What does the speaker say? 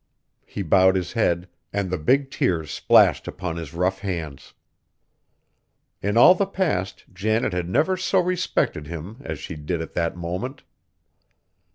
He bowed his head, and the big tears splashed upon his rough hands. In all the past Janet had never so respected him as she did at that moment.